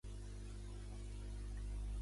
El cognom és Sereno: essa, e, erra, e, ena, o.